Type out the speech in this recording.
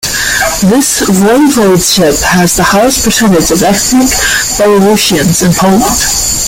This voivodeship has the highest percentage of ethnic Belarusians in Poland.